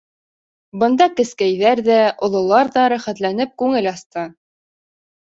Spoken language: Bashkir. Бында кескәйҙәр ҙә, ололар ҙа рәхәтләнеп күңел асты.